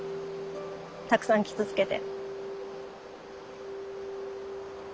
たくさん傷つけて。